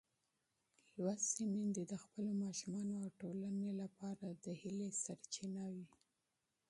تعلیم یافته میندې د خپلو ماشومانو او ټولنې لپاره د امید سرچینه وي.